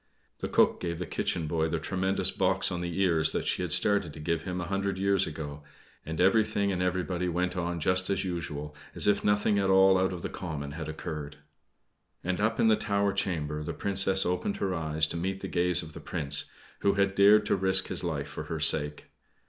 The cook gave the kitchen boy the tremendous box on the ear that she had started to give him a hundred years ago, and everything and everybody went on just as usual, as if nothing at all out of the common had occurred. And up in the tower chamber the Princess opened her eyes to meet the gaze of the Prince, who had dared to risk his life for her sake.